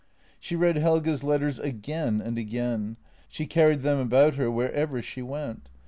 She read Helge's letters again and again ; she carried them about her wherever she went.